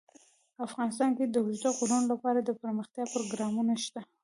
افغانستان کې د اوږده غرونه لپاره دپرمختیا پروګرامونه شته.